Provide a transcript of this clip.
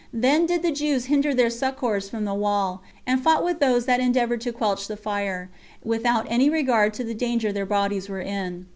Then did the Jews hinder their succors from the wall, and fought with those that endeavored to quench the fire, without any regard to the danger their bodies were in.